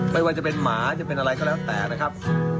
ไม่ว่าจะเป็นหมาจะเป็นอะไรก็แล้วแต่นะครับ